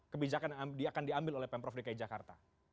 kebijakan yang akan diambil oleh pemprov dki jakarta